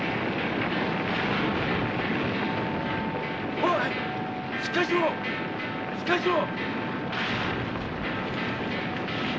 おいしっかりしろしっかりしろ！